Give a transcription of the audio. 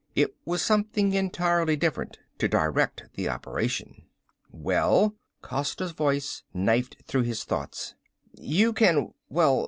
It was something entirely different to direct the operation. "Well?" Costa's voice knifed through his thoughts. "You can ... well